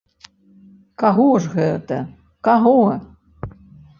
Каго ж гэта, каго?